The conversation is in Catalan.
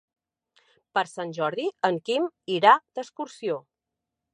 Per Sant Jordi en Quim irà d'excursió.